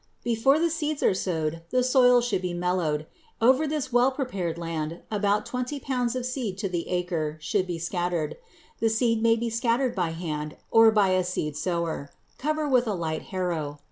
Before the seeds are sowed the soil should be mellowed. Over this well prepared land about twenty pounds of seed to the acre should be scattered. The seed may be scattered by hand or by a seed sower. Cover with a light harrow.